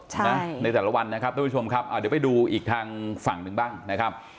ใช่นะในแต่ละวันนะครับทุกผู้ชมครับอ่าเดี๋ยวไปดูอีกทางฝั่งหนึ่งบ้างนะครับ